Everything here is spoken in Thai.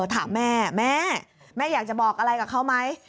ถามแม่แม่แม่อยากจะบอกอะไรกับเขาไหม